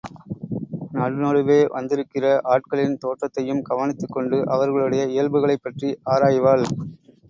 நடு நடுவே வந்திருக்கிற ஆட்களின் தோற்றத்தையும் கவனித்துக் கொண்டு, அவர்களுடைய இயல்புகளைப்பற்றி ஆராய்வாள்.